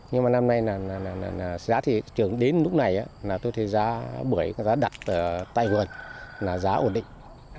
nhưng mà năm nay là giá thị trường đến lúc này là tôi thấy giá bưởi giá đặc tại vườn là giá ổn định